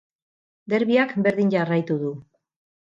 Derbiak berdin jarraitu du.